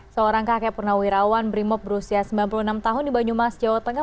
seorang kakek purnawirawan brimop berusia sembilan puluh enam tahun di banyumas jawa tengah